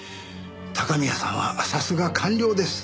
高宮さんはさすが官僚です。